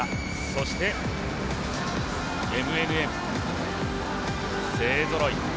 そしてＭＮＭ、勢ぞろい。